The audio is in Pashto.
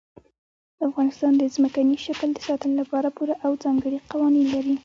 افغانستان د ځمکني شکل د ساتنې لپاره پوره او ځانګړي قوانین لري.